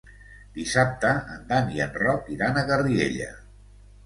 Dissabte en Dan i en Roc iran a Garriguella.